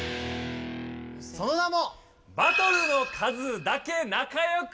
その名も。